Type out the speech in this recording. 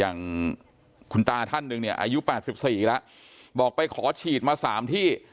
อย่างคุณตาท่านหนึ่งเนี่ยอายุ๘๔แล้วบอกไปขอฉีดมา๓ที่